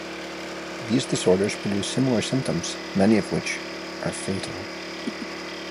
These disorders produce similar symptoms, many of which are fatal.